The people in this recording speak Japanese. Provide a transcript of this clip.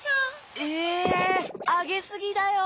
えあげすぎだよ！